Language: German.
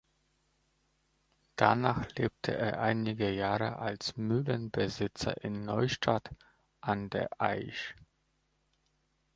Danach lebte er einige Jahre als Mühlenbesitzer in Neustadt an der Aisch.